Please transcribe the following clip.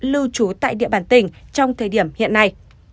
lưu trú tại địa bàn tỉnh trong thời điểm hiện nay